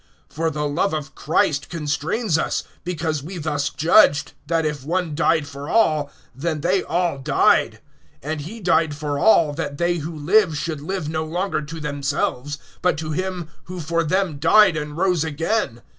(14)For the love of Christ constrains us; because we thus judged, that if one died for all, then they all died. (15)And he died for all, that they who live should live no longer to themselves, but to him who for them died and rose again.